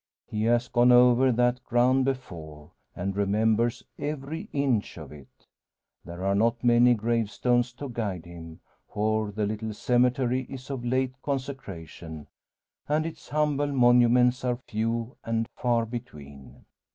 He has gone over that ground before, and remembers every inch of it. There are not many gravestones to guide him, for the little cemetery is of late consecration, and its humble monuments are few and far between.